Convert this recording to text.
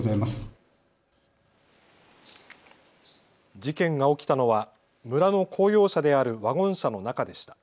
事件が起きたのは村の公用車であるワゴン車の中でした。